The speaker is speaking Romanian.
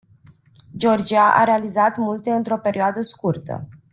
Georgia a realizat multe într-o perioadă scurtă.